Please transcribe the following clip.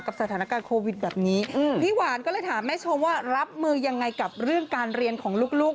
สถานการณ์โควิดแบบนี้พี่หวานก็เลยถามแม่ชมว่ารับมือยังไงกับเรื่องการเรียนของลูก